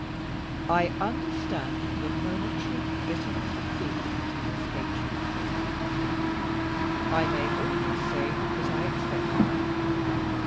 "I understand the momentary bitterness of feeling that has escaped you," he said; "I may almost say that I expected it.